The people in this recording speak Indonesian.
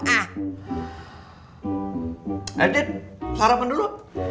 nah cet sarapan dulu